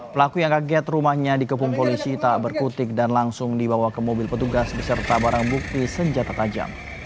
pelaku yang kaget rumahnya dikepung polisi tak berkutik dan langsung dibawa ke mobil petugas beserta barang bukti senjata tajam